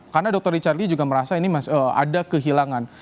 karena dr richard lee juga merasa ini ada kehilangan